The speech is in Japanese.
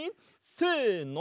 せの！